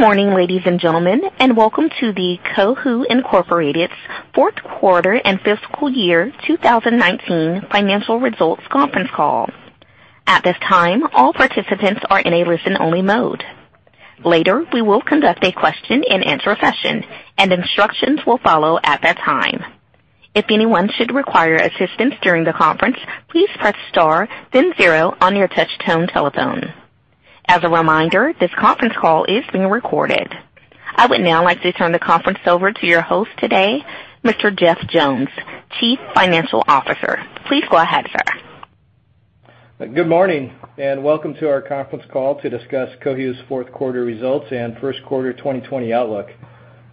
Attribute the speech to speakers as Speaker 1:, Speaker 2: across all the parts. Speaker 1: Good morning, ladies and gentlemen, and welcome to the Cohu, Inc. Q4 and fiscal year 2019 financial results conference call. At this time, all participants are in a listen-only mode. Later, we will conduct a question-answer-session, and instructions will follow at that time. If anyone should require assistance during the conference, please press star then zero on your touch-tone telephone. As a reminder, this conference call is being recorded. I would now like to turn the conference over to your host today, Mr. Jeffrey Jones, Chief Financial Officer. Please go ahead, sir.
Speaker 2: Good morning, and welcome to our conference call to discuss Cohu's Q4 results and Q1 2020 outlook.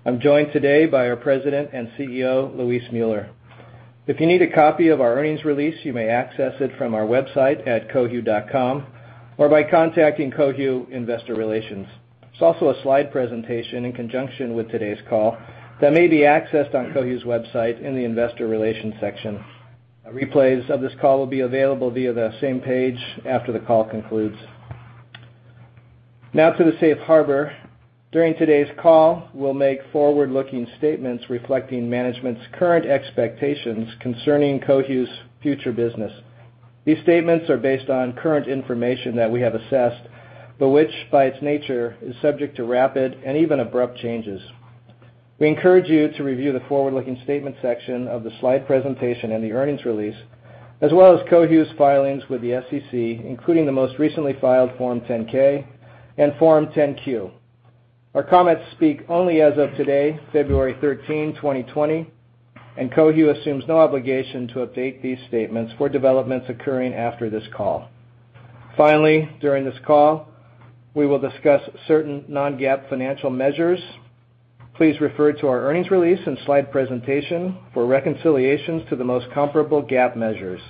Speaker 2: I'm joined today by our President and CEO, Luis Müller. If you need a copy of our earnings release, you may access it from our website at cohu.com or by contacting Cohu Investor Relations. There's also a slide presentation in conjunction with today's call that may be accessed on Cohu's website in the investor relations section. Replays of this call will be available via the same page after the call concludes. Now to the safe harbor. During today's call, we'll make forward-looking statements reflecting management's current expectations concerning Cohu's future business. These statements are based on current information that we have assessed, but which, by its nature, is subject to rapid and even abrupt changes. We encourage you to review the forward-looking statement section of the slide presentation and the earnings release, as well as Cohu's filings with the SEC, including the most recently filed Form 10-K and Form 10-Q. Our comments speak only as of today, February 13, 2020, and Cohu assumes no obligation to update these statements for developments occurring after this call. Finally, during this call, we will discuss certain non-GAAP financial measures. Please refer to our earnings release and slide presentation for reconciliations to the most comparable GAAP measures.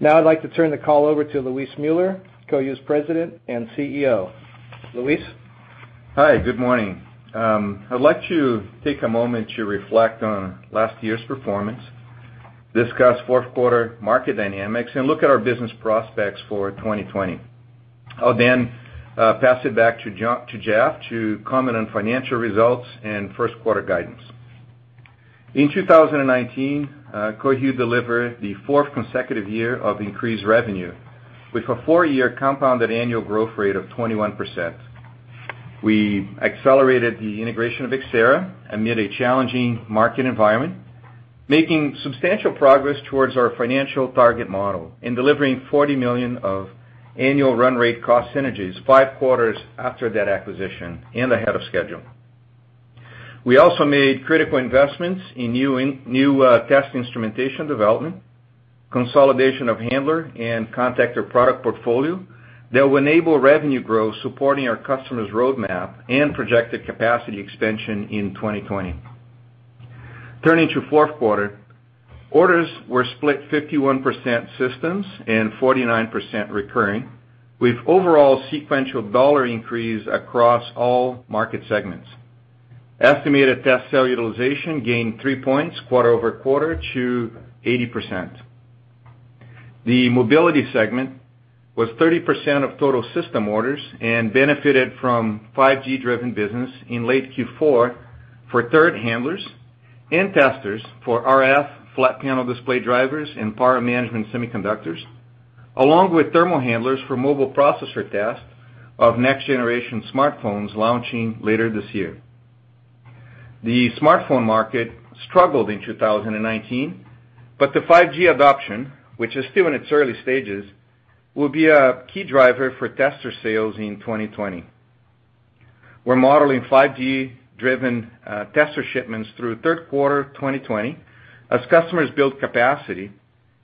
Speaker 2: Now I'd like to turn the call over to Luis Müller, Cohu's President and CEO. Luis?
Speaker 3: Hi, good morning. I'd like to take a moment to reflect on last year's performance, discuss Q4 market dynamics, and look at our business prospects for 2020. I'll then pass it back to Jeff to comment on financial results and Q1 guidance. In 2019, Cohu delivered the fourth consecutive year of increased revenue with a four-year compounded annual growth rate of 21%. We accelerated the integration of Xcerra amid a challenging market environment, making substantial progress towards our financial target model in delivering $40 million of annual run rate cost synergies, five quarters after that acquisition and ahead of schedule. We also made critical investments in new test instrumentation development, consolidation of handler and contactor product portfolio that will enable revenue growth supporting our customers' roadmap and projected capacity expansion in 2020. Turning to Q4, orders were split 51% systems and 49% recurring, with overall sequential dollar increase across all market segments. Estimated test cell utilization gained three points quarter-over-quarter to 80%. The mobility segment was 30% of total system orders and benefited from 5G-driven business in late Q4 for turret handlers and testers for RF flat panel display drivers and power management semiconductors, along with thermal handlers for mobile processor test of next-generation smartphones launching later this year. The smartphone market struggled in 2019, but the 5G adoption, which is still in its early stages, will be a key driver for tester sales in 2020. We're modeling 5G-driven tester shipments through third quarter 2020 as customers build capacity,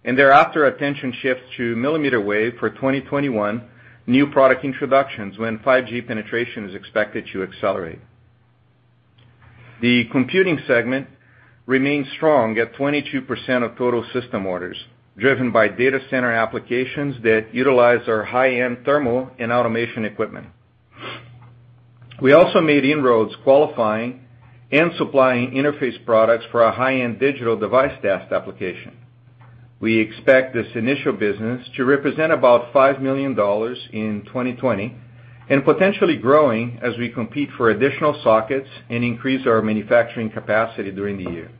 Speaker 3: and thereafter, attention shifts to millimeter wave for 2021 new product introductions when 5G penetration is expected to accelerate. The computing segment remains strong at 22% of total system orders, driven by data center applications that utilize our high-end thermal and automation equipment. We also made inroads qualifying and supplying interface products for our high-end digital device test application. We expect this initial business to represent about $5 million in 2020 and potentially growing as we compete for additional sockets and increase our manufacturing capacity during the year.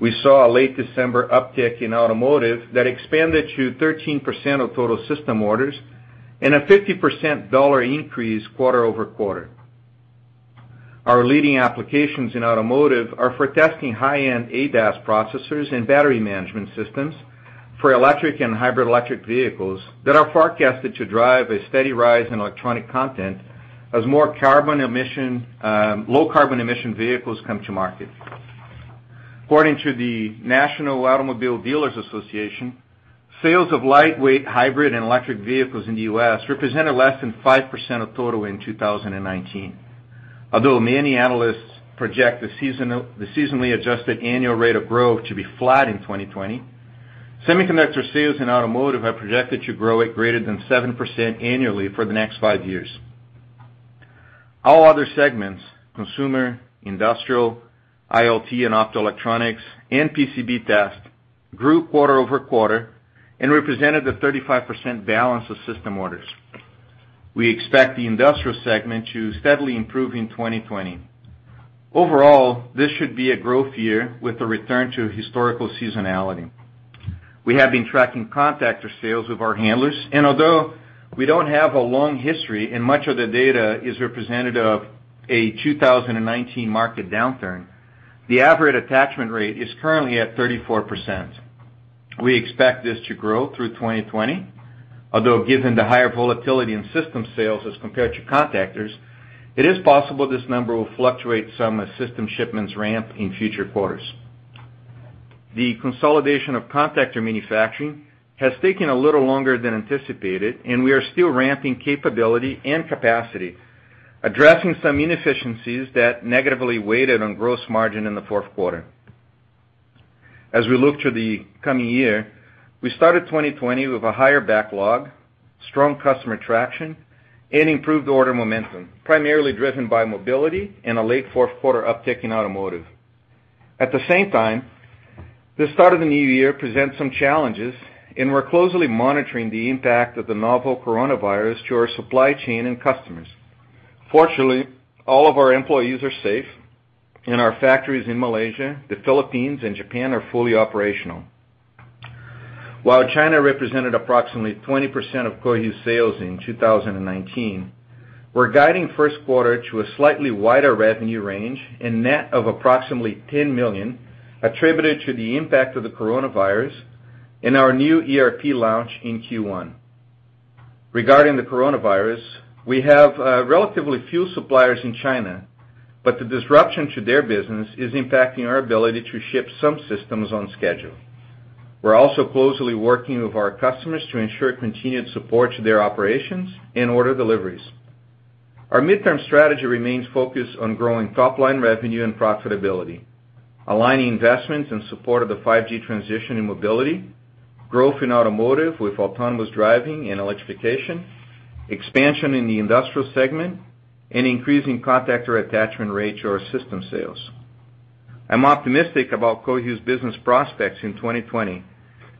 Speaker 3: We saw a late December uptick in automotive that expanded to 13% of total system orders and a 50% dollar increase quarter-over-quarter. Our leading applications in automotive are for testing high-end ADAS processors and battery management systems for electric and hybrid electric vehicles that are forecasted to drive a steady rise in electronic content as more low carbon emission vehicles come to market. According to the National Automobile Dealers Association, sales of lightweight, hybrid, and electric vehicles in the U.S. represented less than 5% of total in 2019. Although many analysts project the seasonally adjusted annual rate of growth to be flat in 2020, semiconductor sales in automotive are projected to grow at greater than 7% annually for the next five years. All other segments, consumer, industrial IoT and optoelectronics and PCB test grew quarter-over-quarter and represented the 35% balance of system orders. We expect the industrial segment to steadily improve in 2020. Overall, this should be a growth year with a return to historical seasonality. We have been tracking contactor sales with our handlers, and although we don't have a long history and much of the data is representative of a 2019 market downturn, the average attachment rate is currently at 34%. We expect this to grow through 2020, although given the higher volatility in system sales as compared to contactors, it is possible this number will fluctuate some as system shipments ramp in future quarters. The consolidation of contactor manufacturing has taken a little longer than anticipated, and we are still ramping capability and capacity, addressing some inefficiencies that negatively weighted on gross margin in Q4. As we look to the coming year, we started 2020 with a higher backlog, strong customer traction, and improved order momentum, primarily driven by mobility and a late Q4 uptick in automotive. At the same time, the start of the new year presents some challenges, and we're closely monitoring the impact of the novel coronavirus to our supply chain and customers. Fortunately, all of our employees are safe, and our factories in Malaysia, the Philippines, and Japan are fully operational. While China represented approximately 20% of Cohu sales in 2019, we're guiding Q1 to a slightly wider revenue range and net of approximately $10 million, attributed to the impact of the coronavirus and our new ERP launch in Q1. Regarding the coronavirus, we have relatively few suppliers in China, but the disruption to their business is impacting our ability to ship some systems on schedule. We're also closely working with our customers to ensure continued support to their operations and order deliveries. Our midterm strategy remains focused on growing top-line revenue and profitability, aligning investments in support of the 5G transition in mobility, growth in automotive with autonomous driving and electrification, expansion in the industrial segment, and increasing contactor attachment rates or system sales. I'm optimistic about Cohu's business prospects in 2020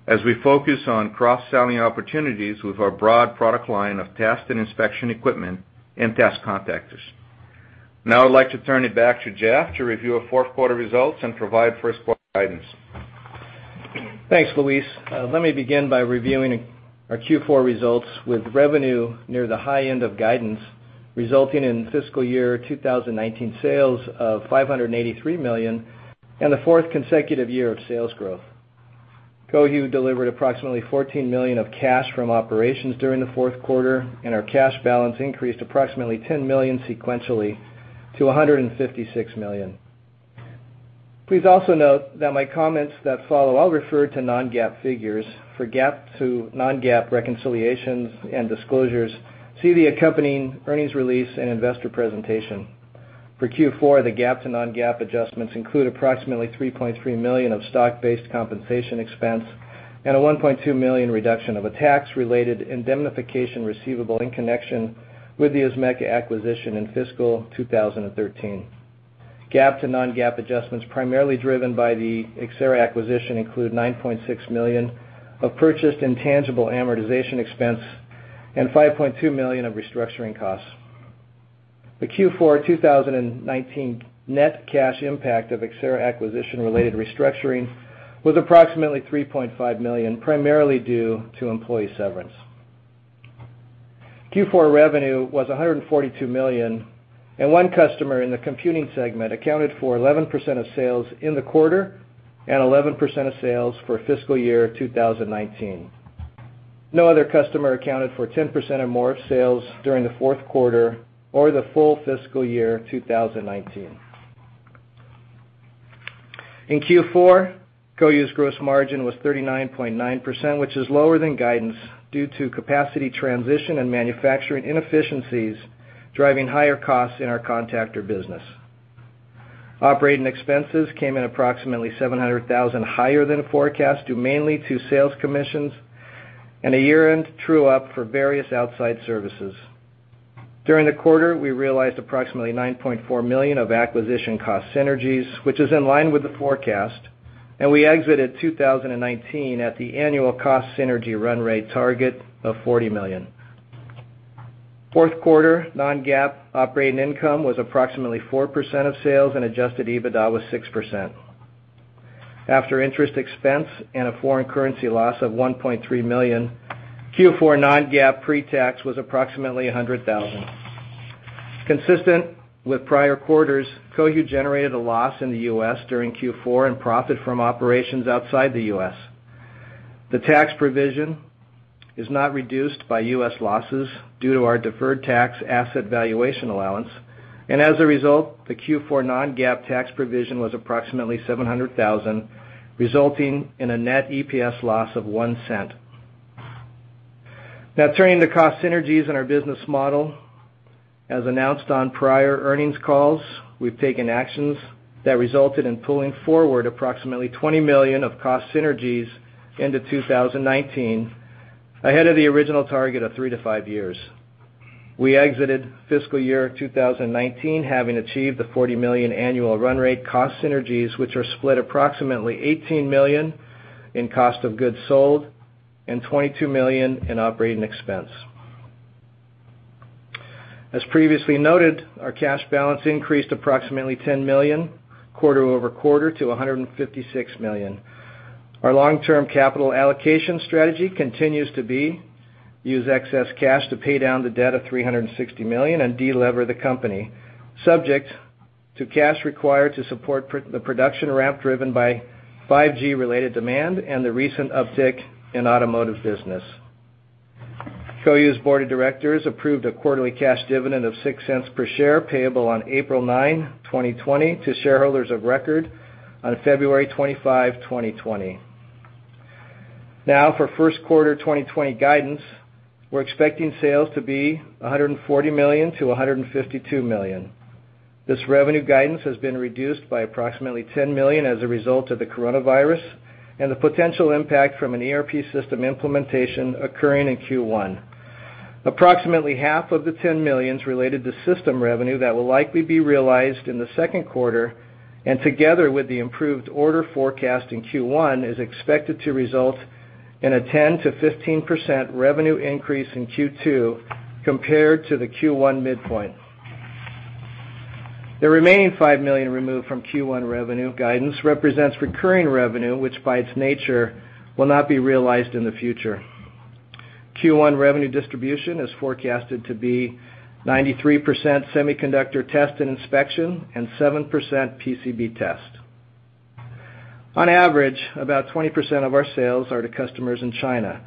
Speaker 3: as we focus on cross-selling opportunities with our broad product line of test and inspection equipment and test contactors. Now I'd like to turn it back to Jeff to review our fourth quarter results and provide first quarter guidance.
Speaker 2: Thanks, Luis. Let me begin by reviewing our Q4 results with revenue near the high end of guidance, resulting in fiscal year 2019 sales of $583 million and the fourth consecutive year of sales growth. Cohu delivered approximately $14 million of cash from operations during Q4, and our cash balance increased approximately $10 million sequentially to $156 million. Please also note that my comments that follow all refer to non-GAAP figures. For GAAP to non-GAAP reconciliations and disclosures, see the accompanying earnings release and investor presentation. For Q4, the GAAP to non-GAAP adjustments include approximately $3.3 million of stock-based compensation expense and a $1.2 million reduction of a tax related indemnification receivable in connection with the Ismeca acquisition in fiscal 2013. GAAP to non-GAAP adjustments, primarily driven by the Xcerra acquisition include $9.6 million of purchased intangible amortization expense and $5.2 million of restructuring costs. The Q4 2019 net cash impact of Xcerra acquisition-related restructuring was approximately $3.5 million, primarily due to employee severance. Q4 revenue was $142 million. One customer in the computing segment accounted for 11% of sales in the quarter and 11% of sales for fiscal year 2019. No other customer accounted for 10% or more of sales during Q4 or the full fiscal year 2019. In Q4, Cohu's gross margin was 39.9%, which is lower than guidance due to capacity transition and manufacturing inefficiencies driving higher costs in our contactor business. Operating expenses came in approximately $700,000 higher than forecast, due mainly to sales commissions and a year-end true-up for various outside services. During the quarter, we realized approximately $9.4 million of acquisition cost synergies, which is in line with the forecast, and we exited 2019 at the annual cost synergy run rate target of $40 million. Q4 non-GAAP operating income was approximately 4% of sales, and adjusted EBITDA was 6%. After interest expense and a foreign currency loss of $1.3 million, Q4 non-GAAP pre-tax was approximately $100,000. Consistent with prior quarters, Cohu generated a loss in the U.S. during Q4 and profit from operations outside the U.S. The tax provision is not reduced by U.S. losses due to our deferred tax asset valuation allowance, and as a result, the Q4 non-GAAP tax provision was approximately $700,000, resulting in a net EPS loss of $0.01. Now, turning to cost synergies in our business model. As announced on prior earnings calls, we've taken actions that resulted in pulling forward approximately $20 million of cost synergies into 2019, ahead of the original target of three-five years. We exited fiscal year 2019 having achieved the $40 million annual run rate cost synergies, which are split approximately $18 million in cost of goods sold and $22 million in operating expense. As previously noted, our cash balance increased approximately $10 million quarter-over-quarter to $156 million. Our long-term capital allocation strategy continues to be use excess cash to pay down the debt of $360 million and de-lever the company, subject to cash required to support the production ramp driven by 5G related demand and the recent uptick in automotive business. Cohu's board of directors approved a quarterly cash dividend of $0.06 per share payable on April 9, 2020 to shareholders of record on February 25, 2020. Now, for Q1 2020 guidance, we're expecting sales to be $140 million-$152 million. This revenue guidance has been reduced by approximately $10 million as a result of the coronavirus, and the potential impact from an ERP system implementation occurring in Q1. Approximately half of the $10 million related to system revenue that will likely be realized in the Q2, and together with the improved order forecast in Q1, is expected to result in a 10%-15% revenue increase in Q2 compared to the Q1 midpoint. The remaining $5 million removed from Q1 revenue guidance represents recurring revenue, which by its nature will not be realized in the future. Q1 revenue distribution is forecasted to be 93% semiconductor test and inspection and 7% PCB test. On average, about 20% of our sales are to customers in China.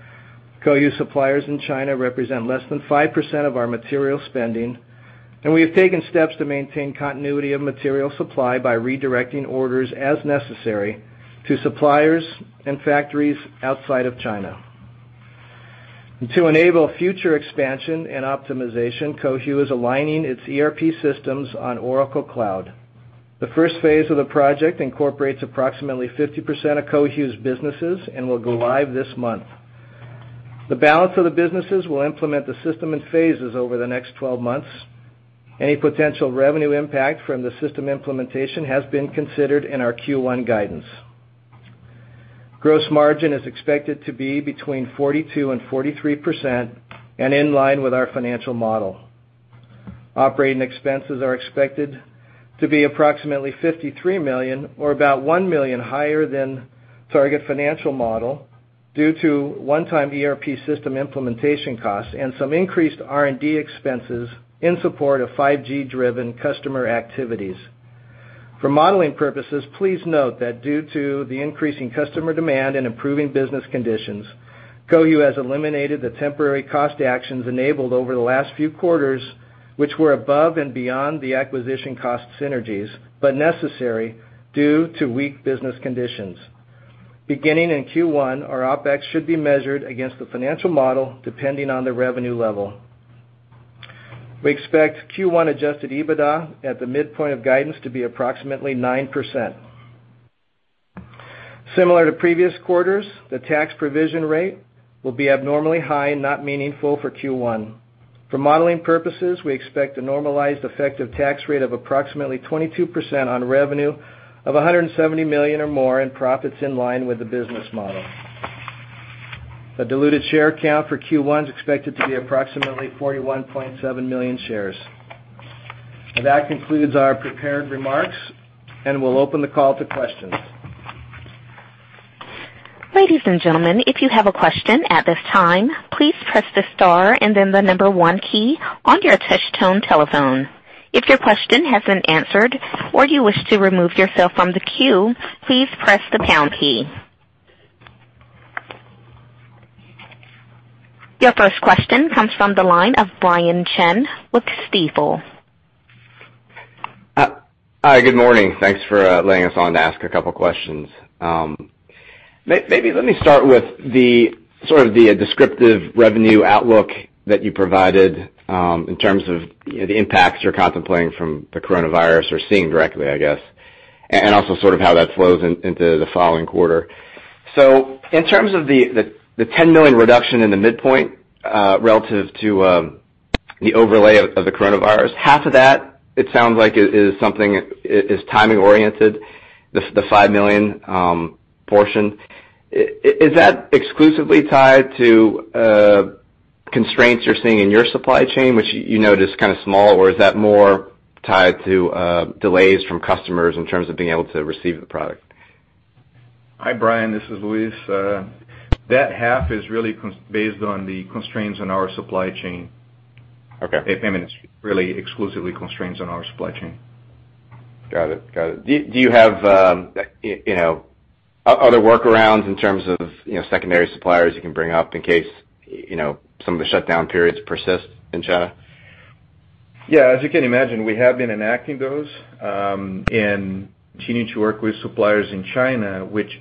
Speaker 2: Cohu suppliers in China represent less than 5% of our material spending, and we have taken steps to maintain continuity of material supply by redirecting orders as necessary to suppliers and factories outside of China. To enable future expansion and optimization, Cohu is aligning its ERP systems on Oracle Cloud. The first phase of the project incorporates approximately 50% of Cohu's businesses and will go live this month. The balance of the businesses will implement the system in phases over the next 12 months. Any potential revenue impact from the system implementation has been considered in our Q1 guidance. Gross margin is expected to be between 42% and 43%, and in line with our financial model. Operating expenses are expected to be approximately $53 million, or about $1 million higher than target financial model due to one-time ERP system implementation costs and some increased R&D expenses in support of 5G-driven customer activities. For modeling purposes, please note that due to the increase in customer demand and improving business conditions, Cohu has eliminated the temporary cost actions enabled over the last few quarters, which were above and beyond the acquisition cost synergies, but necessary due to weak business conditions. Beginning in Q1, our OpEx should be measured against the financial model, depending on the revenue level. We expect Q1 adjusted EBITDA at the midpoint of guidance to be approximately 9%. Similar to previous quarters, the tax provision rate will be abnormally high and not meaningful for Q1. For modeling purposes, we expect a normalized effective tax rate of approximately 22% on revenue of $170 million or more, and profits in line with the business model. The diluted share count for Q1's expected to be approximately 41.7 million shares. That concludes our prepared remarks, and we'll open the call to questions.
Speaker 1: Ladies and gentlemen, if you have a question at this time, please press the star and then the number 1 key on your touch tone telephone. If your question has been answered, or you wish to remove yourself from the queue, please press the pound key. Your first question comes from the line of Brian Chin with Stifel.
Speaker 4: Hi. Good morning. Thanks for letting us on to ask two questions. Maybe let me start with the sort of the descriptive revenue outlook that you provided, in terms of the impacts you're contemplating from the coronavirus or seeing directly, I guess. Also sort of how that flows into the following quarter. In terms of the $10 million reduction in the midpoint, relative to the overlay of the coronavirus, half of that, it sounds like is timing oriented, the $5 million portion. Is that exclusively tied to constraints you're seeing in your supply chain, which you know is kind of small, or is that more tied to delays from customers in terms of being able to receive the product?
Speaker 3: Hi, Brian. This is Luis. That half is really based on the constraints on our supply chain. Okay. I mean, it's really exclusively constraints on our supply chain.
Speaker 4: Got it. Do you have other workarounds in terms of secondary suppliers you can bring up in case some of the shutdown periods persist in China?
Speaker 3: Yeah. As you can imagine, we have been enacting those, and continuing to work with suppliers in China, which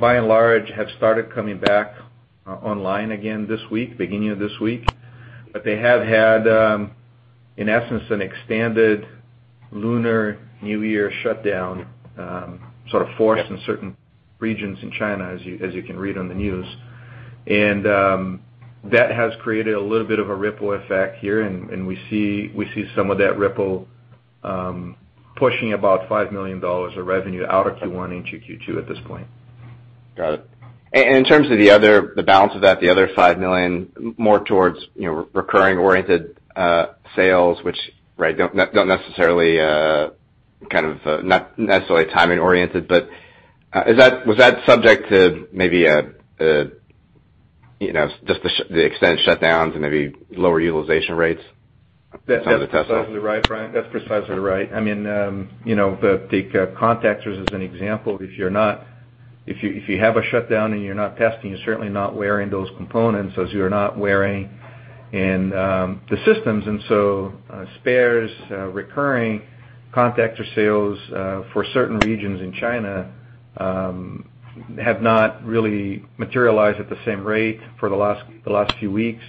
Speaker 3: by and large have started coming back online again this week, beginning of this week. They have had, in essence, an extended Lunar New Year shutdown sort of forced in certain regions in China, as you can read on the news. That has created a little bit of a ripple effect here, and we see some of that ripple pushing about $5 million of revenue out of Q1 into Q2 at this point.
Speaker 4: Got it. In terms of the other, the balance of that, the other $5 million more towards recurring-oriented sales, which don't necessarily timing-oriented, but was that subject to maybe just the extent of shutdowns and maybe lower utilization rates in terms of tester?
Speaker 3: That's precisely right, Brian. Take contactors as an example. If you have a shutdown and you're not testing, you're certainly not wearing those components as you're not wearing in the systems. Spares, recurring contactor sales for certain regions in China, have not really materialized at the same rate for the last few weeks.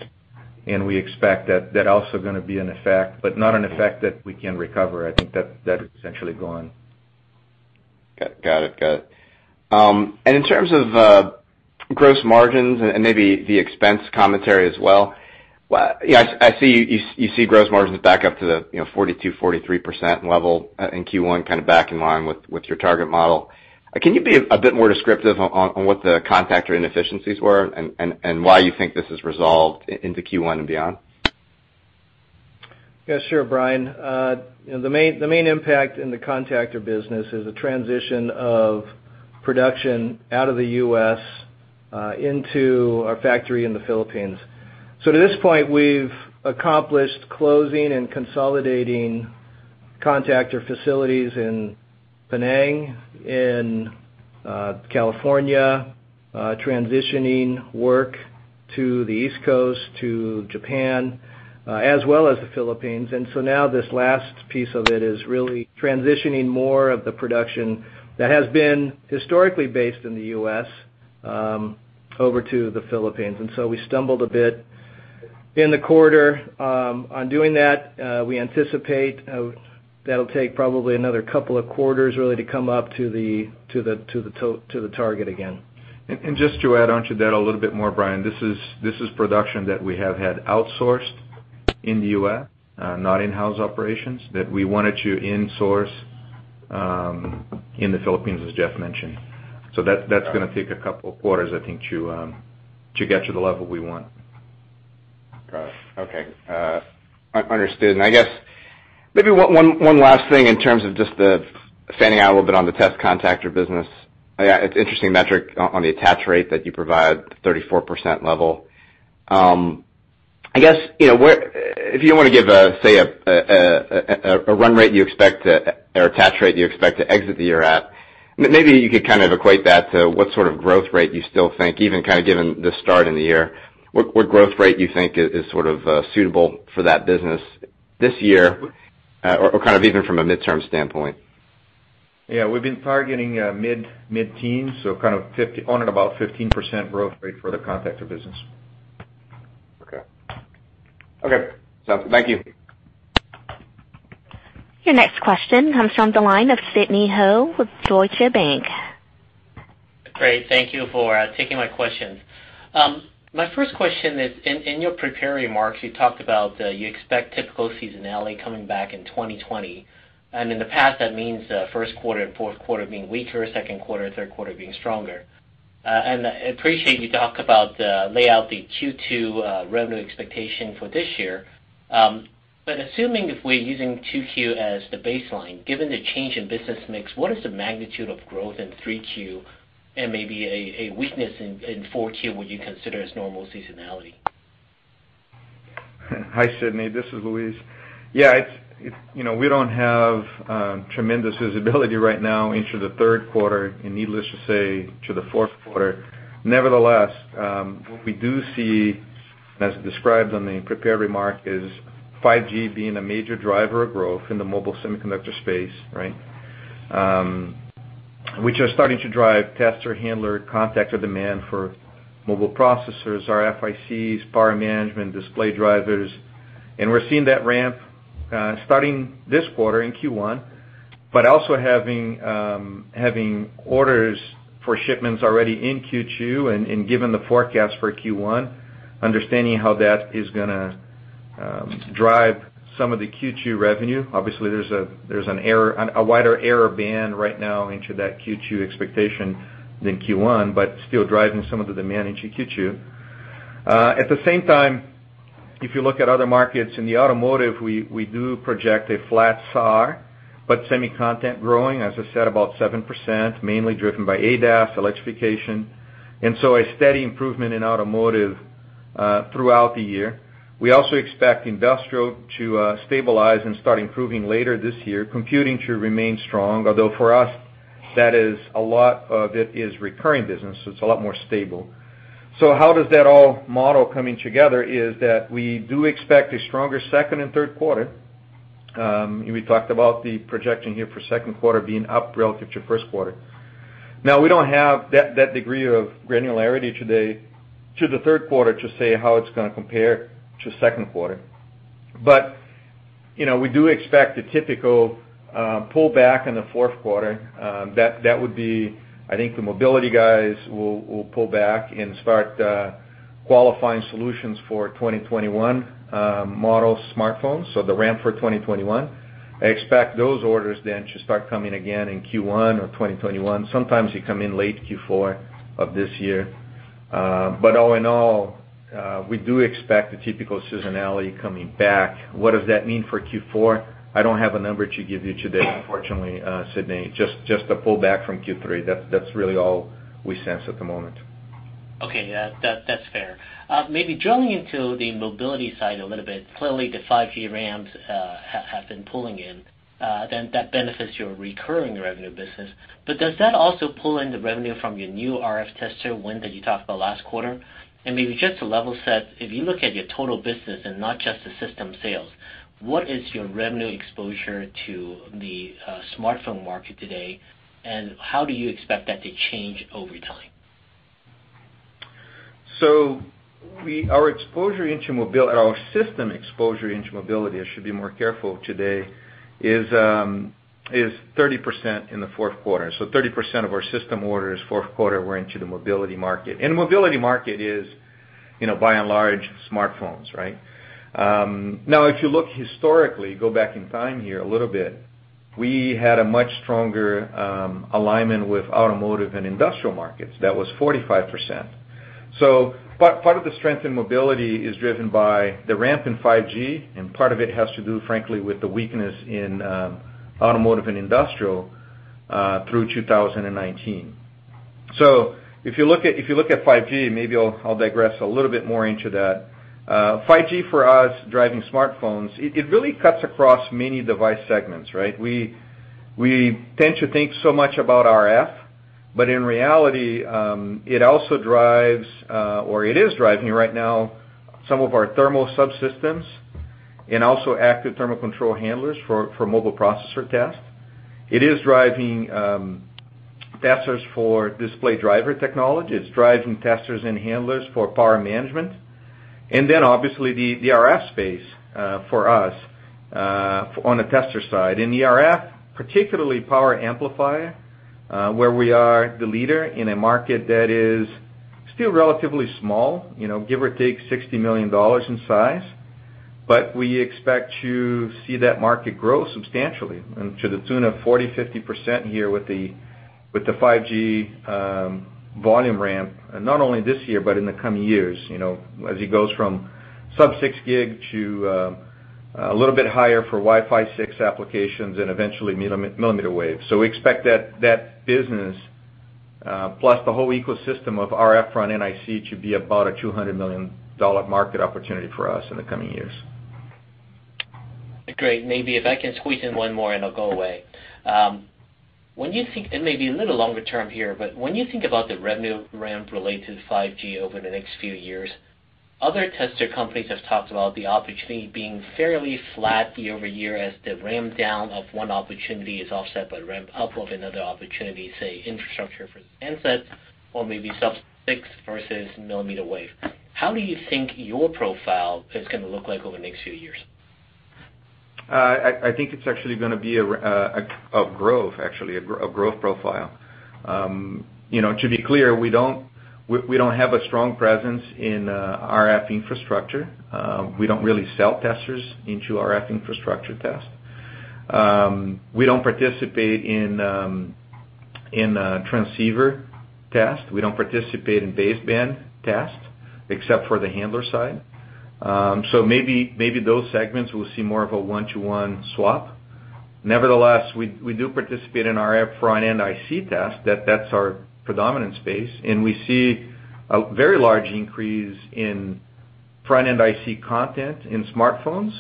Speaker 3: We expect that also going to be an effect, but not an effect that we can recover. I think that is essentially gone.
Speaker 4: Got it. In terms of gross margins and maybe the expense commentary as well, I see you see gross margins back up to the 42%, 43% level in Q1, kind of back in line with your target model. Can you be a bit more descriptive on what the contactor inefficiencies were and why you think this is resolved into Q1 and beyond?
Speaker 3: Yeah, sure, Brian. The main impact in the contactor business is the transition of production out of the U.S. into our factory in the Philippines. To this point, we've accomplished closing and consolidating contactor facilities in Penang, in California, transitioning work to the East Coast, to Japan, as well as the Philippines. Now this last piece of it is really transitioning more of the production that has been historically based in the U.S., over to the Philippines. We stumbled a bit in the quarter on doing that. We anticipate that'll take probably another couple of quarters really to come up to the target again. Just to add onto that a little bit more, Brian, this is production that we have had outsourced in the U.S., not in-house operations, that we wanted to in-source in the Philippines, as Jeff mentioned. That's going to take a couple of quarters, I think, to get to the level we want.
Speaker 4: Got it. Okay. Understood. I guess maybe one last thing in terms of just the fanning out a little bit on the test contactor business. It's interesting metric on the attach rate that you provide, 34% level. I guess, if you want to give, say, a run rate you expect to, or attach rate you expect to exit the year at, maybe you could kind of equate that to what sort of growth rate you still think, even kind of given the start in the year, what growth rate you think is sort of suitable for that business this year, or kind of even from a midterm standpoint.
Speaker 3: Yeah, we've been targeting mid-teens, so kind of on and about 15% growth rate for the contactor business.
Speaker 4: Okay. Sounds good. Thank you.
Speaker 1: Your next question comes from the line of Sidney Ho with Deutsche Bank.
Speaker 5: Great. Thank you for taking my questions. My first question is, in your prepared remarks, you talked about, you expect typical seasonality coming back in 2020. In the past, that means, first quarter and fourth quarter being weaker, second quarter and third quarter being stronger. Assuming if we're using Q2 as the baseline, given the change in business mix, what is the magnitude of growth in 3Q and maybe a weakness in 4Q would you consider as normal seasonality?
Speaker 3: Hi, Sidney. This is Luis. Yeah, we don't have tremendous visibility right now into the third quarter, and needless to say, to the fourth quarter. What we do see, as described on the prepared remark, is 5G being a major driver of growth in the mobile semiconductor space, which are starting to drive tester, handler, contactor demand for mobile processors, RFICs, power management, display drivers. We're seeing that ramp starting this quarter in Q1, but also having orders for shipments already in Q2, and given the forecast for Q1, understanding how that is going to drive some of the Q2 revenue. Obviously, there's a wider error band right now into that Q2 expectation than Q1, still driving some of the demand into Q2. At the same time, if you look at other markets, in the automotive, we do project a flat SAR, but semi-content growing, as I said, about 7%, mainly driven by ADAS, electrification. A steady improvement in automotive throughout the year. We also expect industrial to stabilize and start improving later this year. Computing should remain strong, although for us, a lot of it is recurring business, so it's a lot more stable. How does that all model coming together is that we do expect a stronger Q2 and Q3. We talked about the projection here for Q2 being up relative to Q1. We don't have that degree of granularity today to the Q3 to say how it's going to compare to Q2. We do expect a typical pullback in the Q4. I think the mobility guys will pull back and start qualifying solutions for 2021 model smartphones, so the ramp for 2021. I expect those orders then to start coming again in Q1 of 2021. Sometimes they come in late Q4 of this year. All in all, we do expect the typical seasonality coming back. What does that mean for Q4? I don't have a number to give you today, unfortunately, Sidney. Just a pullback from Q3. That's really all we sense at the moment.
Speaker 5: Okay. Yeah, that's fair. Maybe drilling into the mobility side a little bit, clearly the 5G ramps have been pulling in, then that benefits your recurring revenue business. Does that also pull in the revenue from your new RF tester win that you talked about last quarter? Maybe just to level set, if you look at your total business and not just the system sales, what is your revenue exposure to the smartphone market today, and how do you expect that to change over time?
Speaker 3: Our system exposure into mobility, I should be more careful today, is 30% in Q4. 30% of our system orders Q4 were into the mobility market. Mobility market is, by and large, smartphones, right? If you look historically, go back in time here a little, we had a much stronger alignment with automotive and industrial markets. That was 45%. Part of the strength in mobility is driven by the ramp in 5G, and part of it has to do, frankly, with the weakness in automotive and industrial through 2019. If you look at 5G, maybe I'll digress a little bit more into that. 5G for us, driving smartphones, it really cuts across many device segments, right? We tend to think so much about RF, but in reality, it also drives, or it is driving right now, some of our thermal subsystems and also active thermal control handlers for mobile processor tests. It is driving testers for display driver technology. It's driving testers and handlers for power management. Obviously the RF space for us on the tester side. In the RF, particularly power amplifier, where we are the leader in a market that is still relatively small, give or take $60 million in size, but we expect to see that market grow substantially and to the tune of 40%-50% here with the 5G volume ramp. Not only this year, but in the coming years, as it goes from sub-6 GHz to a little bit higher for Wi-Fi 6 applications and eventually millimeter wave. We expect that business, plus the whole ecosystem of RF front-end IC to be about a $200 million market opportunity for us in the coming years.
Speaker 5: Great. Maybe if I can squeeze in one more and I'll go away. It may be a little longer term here, but when you think about the revenue ramp related to 5G over the next few years, other tester companies have talked about the opportunity being fairly flat year-over-year as the ramp down of one opportunity is offset by ramp up of another opportunity, say infrastructure for the handset or maybe sub-6 versus millimeter wave. How do you think your profile is going to look like over the next few years?
Speaker 3: I think it's actually going to be a growth profile. To be clear, we don't have a strong presence in RF infrastructure. We don't really sell testers into RF infrastructure test. We don't participate in transceiver test. We don't participate in baseband test, except for the handler side. Maybe those segments will see more of a one-to-one swap. Nevertheless, we do participate in RF front-end IC test. That's our predominant space, and we see a very large increase in front-end IC content in smartphones,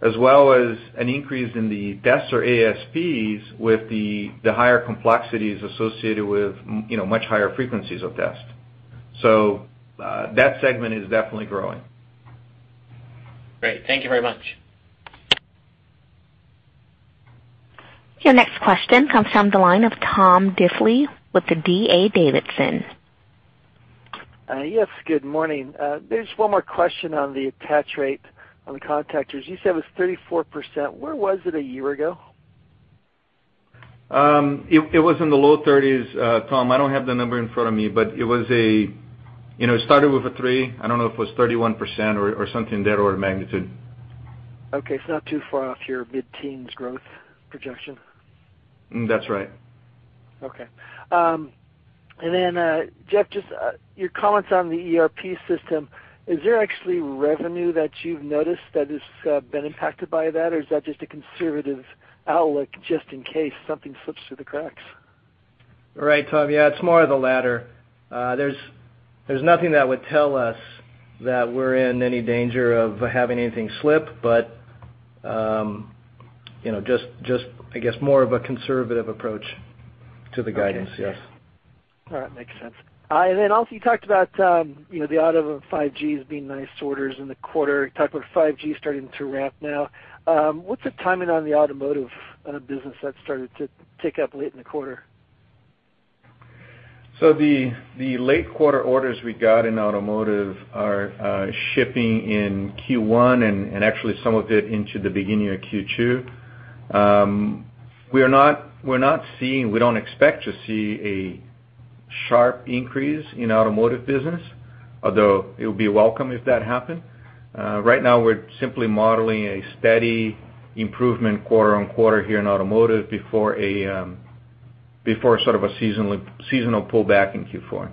Speaker 3: as well as an increase in the test or ASPs with the higher complexities associated with much higher frequencies of test. That segment is definitely growing.
Speaker 5: Great. Thank you very much.
Speaker 1: Your next question comes from the line of Tom Diffely with the D.A. Davidson.
Speaker 6: Yes. Good morning. Just one more question on the attach rate on the contactors. You said it was 34%. Where was it a year ago?
Speaker 3: It was in the low 30s, Tom Diffely. I don't have the number in front of me, but it started with a three. I don't know if it was 31% or something there or magnitude.
Speaker 6: Okay. It's not too far off your mid-teens growth projection.
Speaker 3: That's right.
Speaker 6: Okay. Jeff, just your comments on the ERP system. Is there actually revenue that you've noticed that has been impacted by that, or is that just a conservative outlook just in case something slips through the cracks?
Speaker 2: Right. Tom, yeah, it's more of the latter. There's nothing that would tell us that we're in any danger of having anything slip, but just I guess more of a conservative approach to the guidance. Yes.
Speaker 6: All right. Makes sense. Also you talked about the auto of 5G as being nice orders in the quarter. You talked about 5G starting to ramp now. What's the timing on the automotive business that started to tick up late in the quarter?
Speaker 3: The late quarter orders we got in automotive are shipping in Q1 and actually some of it into the beginning of Q2. We don't expect to see a sharp increase in automotive business, although it would be welcome if that happened. Right now we're simply modeling a steady improvement quarter-on-quarter here in automotive before sort of a seasonal pullback in Q4.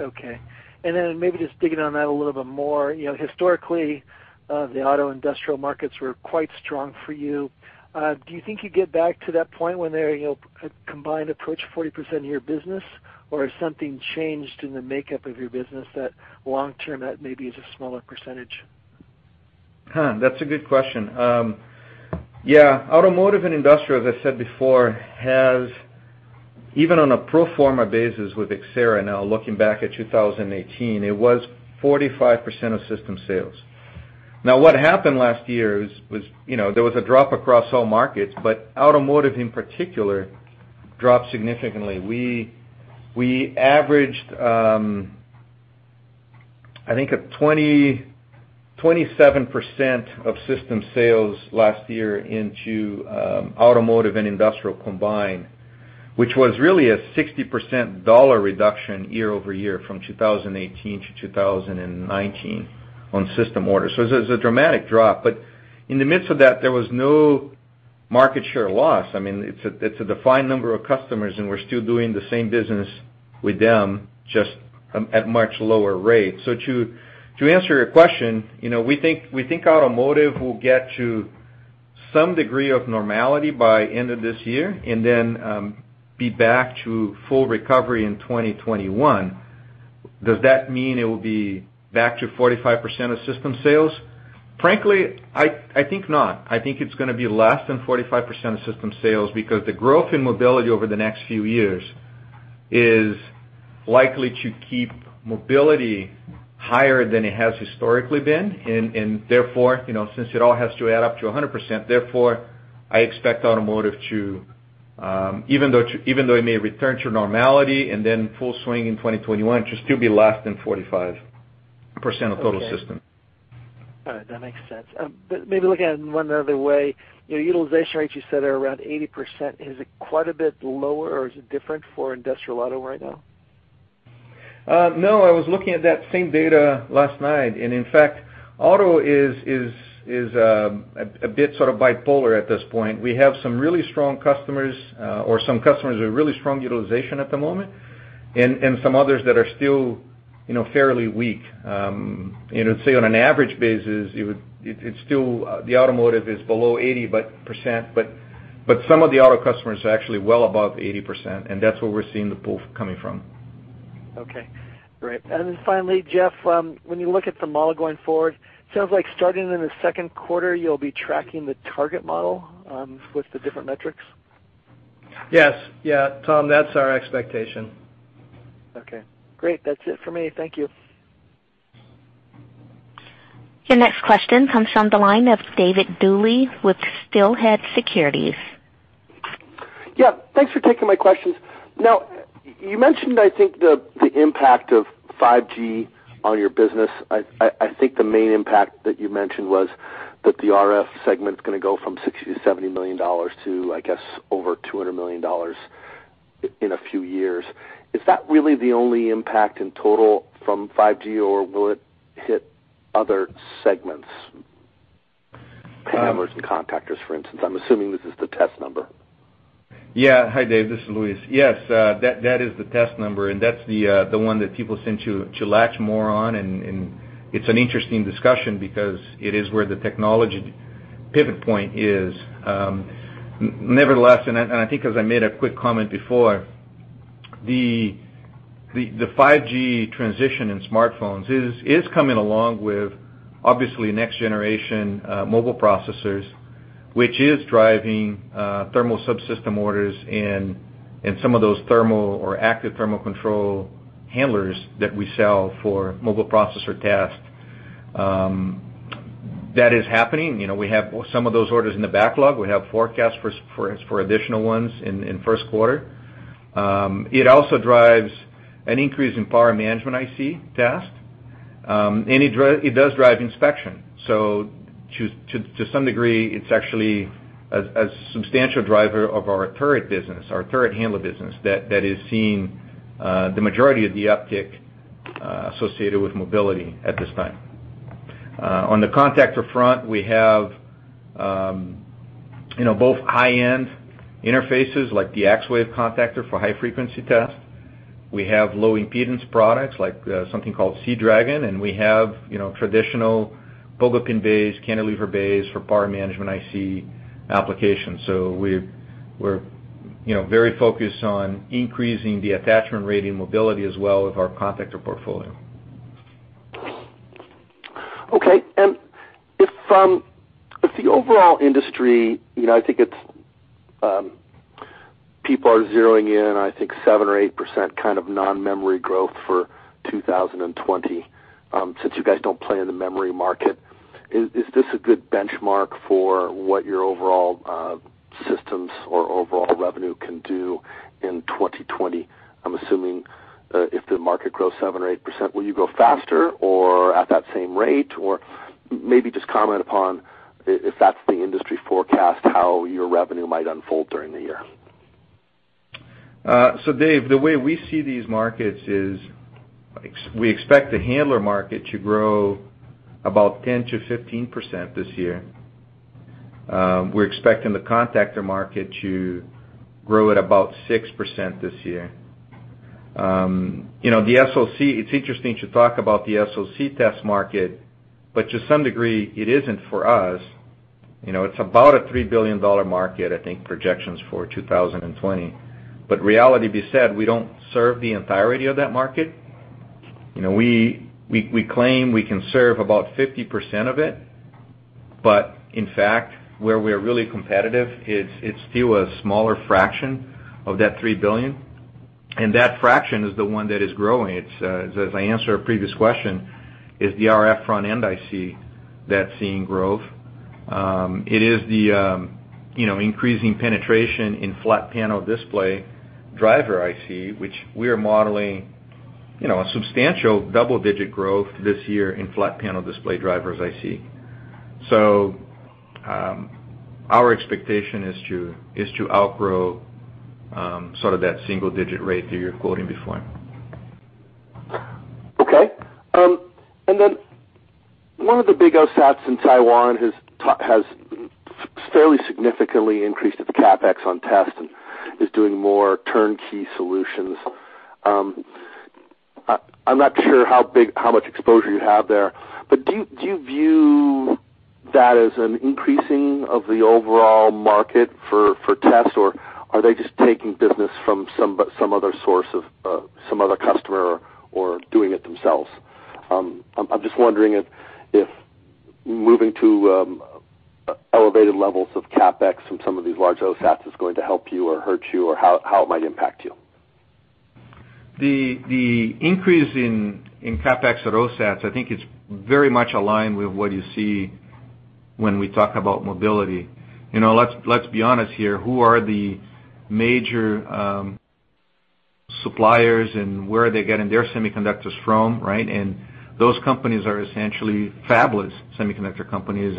Speaker 6: Okay. Maybe just digging on that a little bit more. Historically, the auto industrial markets were quite strong for you. Do you think you get back to that point when they combined approach 40% of your business? Has something changed in the makeup of your business that long term that maybe is a smaller percentage?
Speaker 3: That's a good question. Automotive and industrial, as I said before, has even on a pro forma basis with Xcerra now looking back at 2018, it was 45% of system sales. What happened last year is there was a drop across all markets, automotive in particular dropped significantly. We averaged, I think, a 27% of system sales last year into automotive and industrial combined, which was really a 60% dollar reduction year-over-year from 2018 - 2019 on system orders. It was a dramatic drop. In the midst of that, there was no market share loss. I mean, it's a defined number of customers, we're still doing the same business with them, just at much lower rates. To answer your question, we think automotive will get to some degree of normality by end of this year and then be back to full recovery in 2021. Does that mean it will be back to 45% of system sales? Frankly, I think not. I think it's going to be less than 45% of system sales because the growth in mobility over the next few years is likely to keep mobility higher than it has historically been. Therefore, since it all has to add up to 100%, therefore I expect automotive to, even though it may return to normality and then full swing in 2021, to still be less than 45% of total system.
Speaker 6: All right. That makes sense. Maybe looking at it one other way, utilization rates you said are around 80%. Is it quite a bit lower or is it different for industrial auto right now?
Speaker 3: No, I was looking at that same data last night. In fact, auto is a bit sort of bipolar at this point. We have some really strong customers, or some customers with really strong utilization at the moment, and some others that are still fairly weak. I'd say on an average basis, the automotive is below 80%, but some of the auto customers are actually well above 80%. That's where we're seeing the pool coming from.
Speaker 6: Okay. Great. Finally, Jeff, when you look at the model going forward, sounds like starting in the second quarter you'll be tracking the target model with the different metrics.
Speaker 2: Yes. Tom, that's our expectation.
Speaker 6: Okay. Great. That's it for me. Thank you.
Speaker 1: Your next question comes from the line of David Duley with Steelhead Securities.
Speaker 7: Yeah, thanks for taking my questions. Now, you mentioned, I think the impact of 5G on your business. I think the main impact that you mentioned was that the RF segment's going to go from $60 million-$70 million to, I guess, over $200 million in a few years. Is that really the only impact in total from 5G or will it hit other segments? Hammers and contactors, for instance. I'm assuming this is the test number.
Speaker 3: Yeah. Hi David, this is Luis. Yes, that is the test number and that's the one that people seem to latch more on, it's an interesting discussion because it is where the technology pivot point is. Nevertheless, I think as I made a quick comment before, the 5G transition in smartphones is coming along with obviously next generation mobile processors, which is driving thermal subsystem orders and some of those thermal or active thermal control handlers that we sell for mobile processor test. That is happening. We have some of those orders in the backlog. We have forecasts for additional ones in first quarter. It also drives an increase in power management IC test. It does drive inspection. To some degree, it's actually a substantial driver of our turret business, our turret handler business that is seeing the majority of the uptick associated with mobility at this time. On the contactor front, we have both high-end interfaces like the xWave contactor for high frequency test. We have low impedance products like something called cDragon, and we have traditional pogo pin, cantilever for power management IC applications. We're very focused on increasing the attachment rate in mobility as well with our contactor portfolio.
Speaker 7: Okay. If the overall industry, I think people are zeroing in, I think 7% or 8% kind of non-memory growth for 2020. Since you guys don't play in the memory market, is this a good benchmark for what your overall systems or overall revenue can do in 2020? I'm assuming, if the market grows 7% or 8%, will you grow faster or at that same rate? Or maybe just comment upon if that's the industry forecast, how your revenue might unfold during the year.
Speaker 3: David, the way we see these markets is, we expect the handler market to grow about 10%-15% this year. We're expecting the contactor market to grow at about 6% this year. It's interesting to talk about the SoC test market, but to some degree, it isn't for us. It's about a $3 billion market, I think projections for 2020. Reality be said, we don't serve the entirety of that market. We claim we can serve about 50% of it, but in fact, where we're really competitive, it's still a smaller fraction of that $3 billion, and that fraction is the one that is growing. As I answered a previous question, is the RF front-end IC that's seeing growth. It is the increasing penetration in flat panel display driver IC, which we are modeling a substantial double-digit growth this year in flat panel display drivers IC. Our expectation is to outgrow sort of that single-digit rate that you were quoting before.
Speaker 7: Okay. One of the big OSATs in Taiwan has fairly significantly increased its CapEx on test and is doing more turnkey solutions. I'm not sure how much exposure you have there, but do you view that as an increasing of the overall market for tests, or are they just taking business from some other customer or doing it themselves? I'm just wondering if moving to elevated levels of CapEx from some of these large OSATs is going to help you or hurt you, or how it might impact you.
Speaker 3: The increase in CapEx at OSATs, I think it's very much aligned with what you see when we talk about mobility. Let's be honest here, who are the major suppliers and where are they getting their semiconductors from, right? Those companies are essentially fabless semiconductor companies,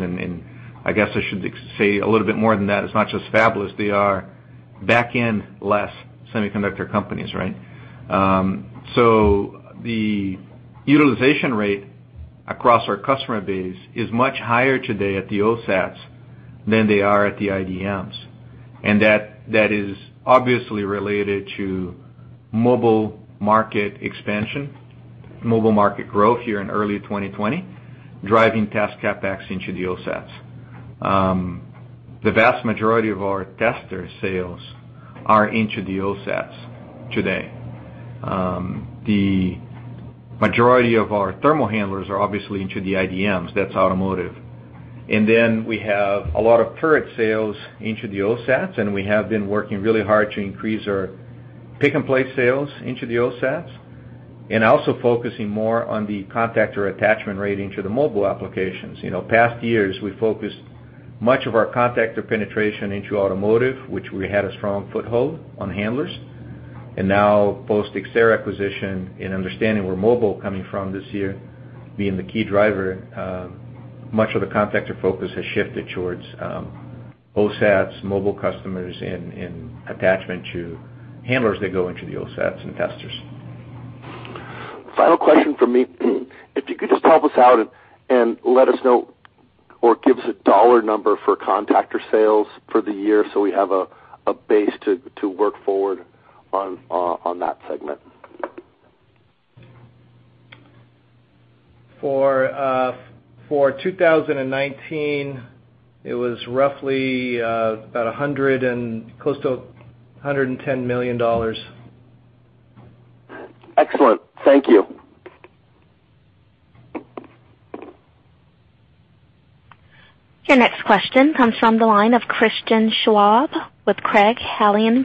Speaker 3: I guess I should say a little bit more than that. It's not just fabless, they are back-end less semiconductor companies, right? The utilization rate across our customer base is much higher today at the OSATs than they are at the IDMs. That is obviously related to mobile market expansion, mobile market growth here in early 2020, driving test CapEx into the OSATs. The vast majority of our tester sales are into the OSATs today. The majority of our thermal handlers are obviously into the IDMs. That's automotive. We have a lot of turret sales into the OSATs, and we have been working really hard to increase our pick-and-place sales into the OSATs, and also focusing more on the contactor attachment rating to the mobile applications. Past years, we focused much of our contactor penetration into automotive, which we had a strong foothold on handlers. Now post-Xcerra acquisition and understanding where mobile coming from this year being the key driver, much of the contactor focus has shifted towards OSATs, mobile customers, and attachment to handlers that go into the OSATs and testers.
Speaker 7: Final question from me. If you could just help us out and let us know or give us a dollar number for contactor sales for the year so we have a base to work forward on that segment.
Speaker 3: For 2019, it was roughly about close to $110 million.
Speaker 7: Excellent. Thank you.
Speaker 1: Your next question comes from the line of Christian Schwab with Craig-Hallum.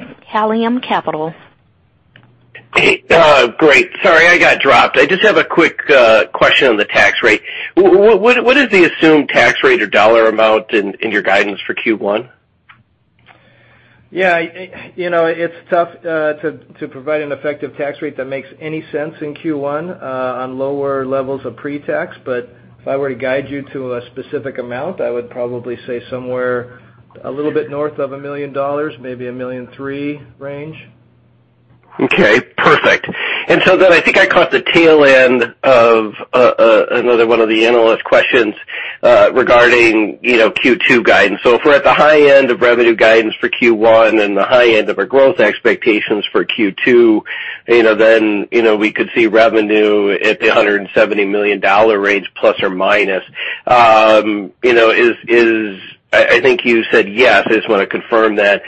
Speaker 8: Great. Sorry, I got dropped. I just have a quick question on the tax rate. What is the assumed tax rate or dollar amount in your guidance for Q1?
Speaker 2: Yeah. It's tough to provide an effective tax rate that makes any sense in Q1 on lower levels of pre-tax, but if I were to guide you to a specific amount, I would probably say somewhere a little bit north of $1 million, maybe a $1.3 million range.
Speaker 8: Okay, perfect. I think I caught the tail end of another one of the analyst questions regarding Q2 guidance. If we're at the high end of revenue guidance for Q1 and the high end of our growth expectations for Q2, then we could see revenue at the $170 million range, ±. I think you said yes. I just want to confirm that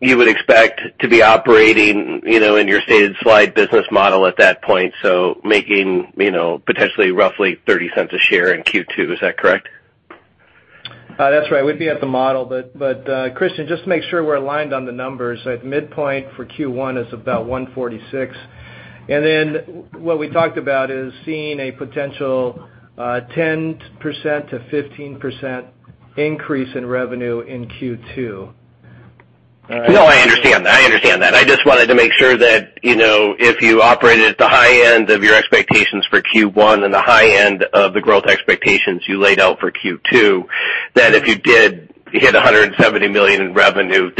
Speaker 8: you would expect to be operating in your stated slide business model at that point, so making potentially roughly $0.30 a share in Q2. Is that correct?
Speaker 2: That's right. We'd be at the model. Christian, just to make sure we're aligned on the numbers, at midpoint for Q1 is about $146. What we talked about is seeing a potential 10%-15% increase in revenue in Q2.
Speaker 8: No, I understand that. I just wanted to make sure that, if you operated at the high end of your expectations for Q1 and the high end of the growth expectations you laid out for Q2, that if you did hit $170 million in revenue,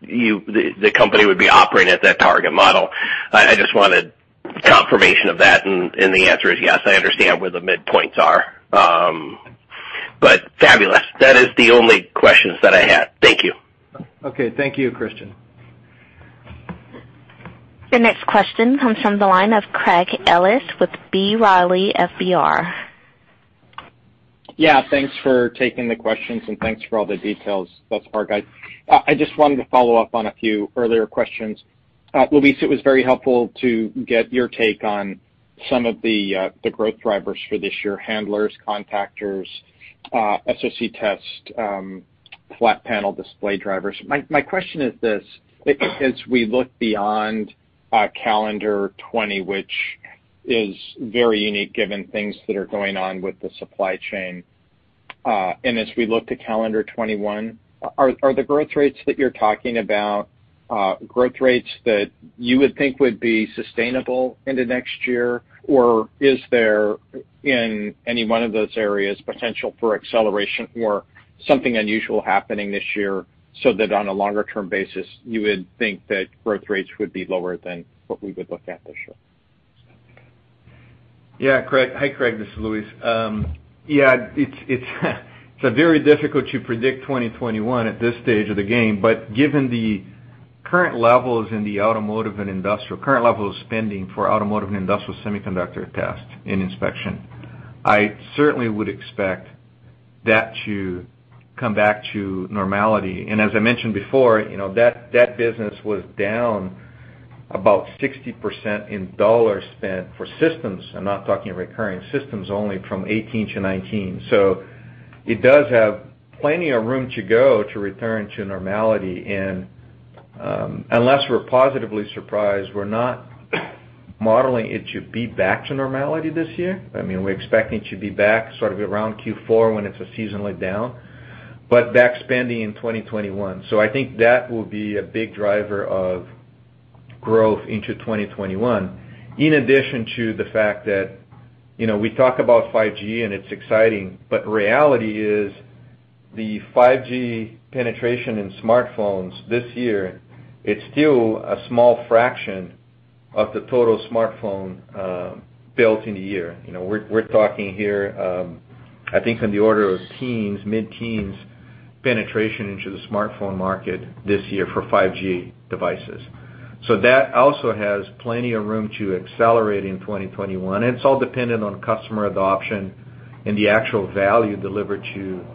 Speaker 8: the company would be operating at that target model. I just wanted confirmation of that, and the answer is yes. I understand where the midpoints are. Fabulous. That is the only questions that I had. Thank you.
Speaker 2: Okay. Thank you, Christian.
Speaker 1: The next question comes from the line of Craig Ellis with B. Riley FBR.
Speaker 9: Yeah. Thanks for taking the questions, and thanks for all the details thus far, guys. I just wanted to follow up on a few earlier questions. Luis, it was very helpful to get your take on some of the growth drivers for this year, handlers, contactors, SoC test, flat panel display drivers. My question is this. As we look beyond calendar 2020, which is very unique given things that are going on with the supply chain, and as we look to calendar 2021, are the growth rates that you're talking about growth rates that you would think would be sustainable into next year? Is there, in any one of those areas, potential for acceleration or something unusual happening this year, so that on a longer term basis, you would think that growth rates would be lower than what we would look at this year?
Speaker 3: Yeah. Hi, Craig. This is Luis. Yeah. It's very difficult to predict 2021 at this stage of the game, but given the current levels in the automotive and industrial, current level of spending for automotive and industrial semiconductor test and inspection, I certainly would expect that to come back to normality. As I mentioned before, that business was down about 60% in dollars spent for systems, I'm not talking recurring, systems only from 2018 - 2019. It does have plenty of room to go to return to normality. Unless we're positively surprised, we're not modeling it to be back to normality this year. We're expecting it to be back sort of around Q4 when it's a seasonally down, back spending in 2021. I think that will be a big driver of growth into 2021. In addition to the fact that we talk about 5G, it's exciting. Reality is the 5G penetration in smartphones this year, it's still a small fraction of the total smartphone built in a year. We're talking here, I think in the order of mid-teens penetration into the smartphone market this year for 5G devices. That also has plenty of room to accelerate in 2021. It's all dependent on customer adoption and the actual value delivered to customers.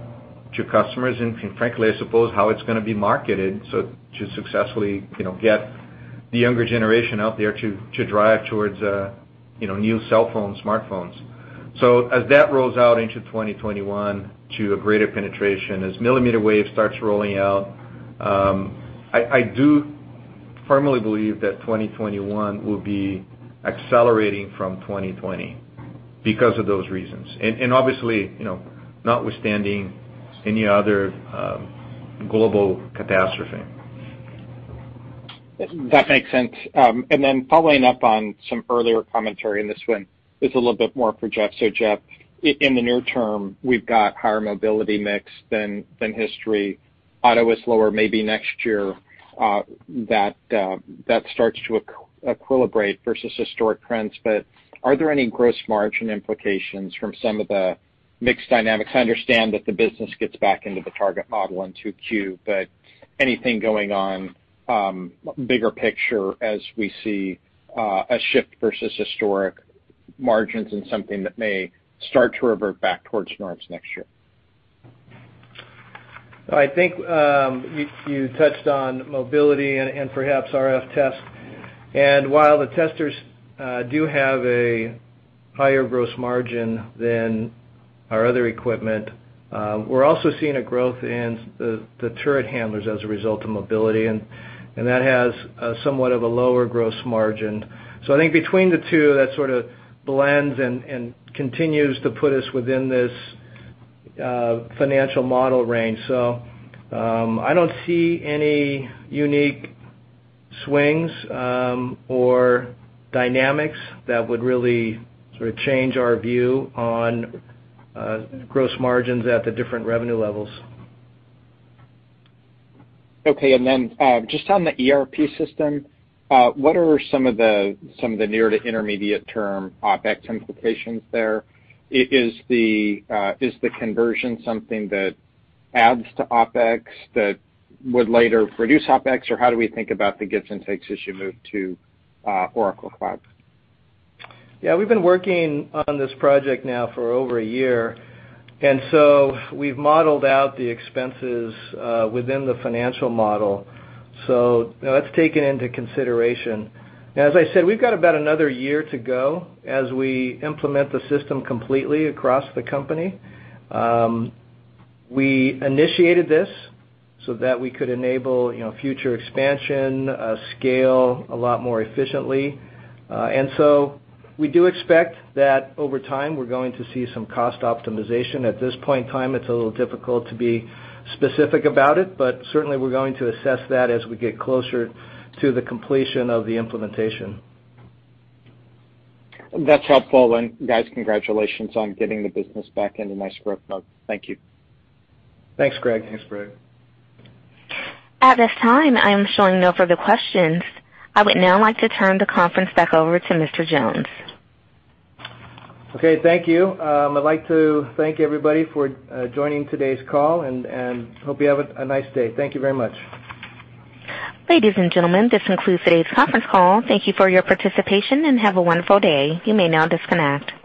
Speaker 3: Frankly, I suppose how it's going to be marketed to successfully get the younger generation out there to drive towards new cell phones, smartphones. As that rolls out into 2021 to a greater penetration, as millimeter wave starts rolling out, I do firmly believe that 2021 will be accelerating from 2020 because of those reasons. Obviously, notwithstanding any other global catastrophe.
Speaker 9: That makes sense. Following up on some earlier commentary, and this one is a little bit more for Jeff. Jeff, in the near term, we've got higher mobility mix than history. Auto is lower, maybe next year that starts to equilibrate versus historic trends. Are there any gross margin implications from some of the mix dynamics? I understand that the business gets back into the target model in 2Q, but anything going on bigger picture as we see a shift versus historic margins and something that may start to revert back towards norms next year?
Speaker 2: I think you touched on mobility and perhaps RF test. While the testers do have a higher gross margin than our other equipment, we're also seeing a growth in the turret handlers as a result of mobility, and that has somewhat of a lower gross margin. I think between the two, that sort of blends and continues to put us within this financial model range. I don't see any unique swings or dynamics that would really sort of change our view on gross margins at the different revenue levels.
Speaker 9: Okay. Just on the ERP system, what are some of the near to intermediate term OpEx implications there? Is the conversion something that adds to OpEx that would later reduce OpEx? How do we think about the gives and takes as you move to Oracle Cloud?
Speaker 2: Yeah. We've been working on this project now for over a year, and so we've modeled out the expenses within the financial model. That's taken into consideration. As I said, we've got about another year to go as we implement the system completely across the company. We initiated this so that we could enable future expansion, scale a lot more efficiently. We do expect that over time, we're going to see some cost optimization. At this point in time, it's a little difficult to be specific about it, but certainly, we're going to assess that as we get closer to the completion of the implementation.
Speaker 9: That's helpful. Guys, congratulations on getting the business back into nice growth mode. Thank you.
Speaker 3: Thanks, Craig.
Speaker 1: At this time, I am showing no further questions. I would now like to turn the conference back over to Mr. Jones.
Speaker 2: Okay. Thank you. I'd like to thank everybody for joining today's call, and hope you have a nice day. Thank you very much.
Speaker 1: Ladies and gentlemen, this concludes today's conference call. Thank you for your participation, and have a wonderful day. You may now disconnect.